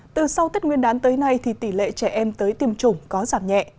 từ sau tết nguyên đán tới nay thì tỷ lệ trẻ em tới tiêm chủng có giảm nhẹ